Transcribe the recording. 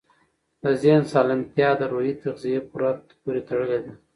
د ذهن سالمتیا د روحي تغذیې پورې تړلې ده.